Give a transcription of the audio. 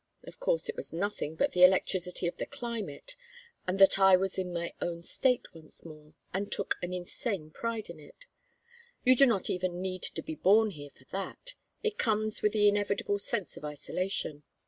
Of course it was nothing but the electricity of the climate and that I was in my own State once more and took an insane pride in it. You do not even need to be born here for that; it comes with the inevitable sense of isolation.